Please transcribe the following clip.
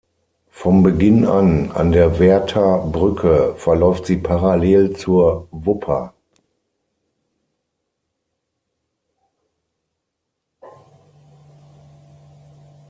Vom Beginn an, an der Werther Brücke, verläuft sie parallel zur Wupper.